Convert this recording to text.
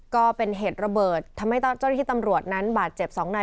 ก็เป็นเหตุระเบิดทำให้เจ้าหน้าที่ตำรวจนั้นบาดเจ็บสองนาย